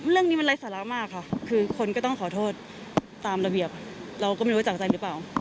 เรื่องนี้มันไร้สาระมากค่ะคือคนก็ต้องขอโทษตามระเบียบเราก็ไม่รู้จากใจหรือเปล่า